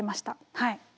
はい。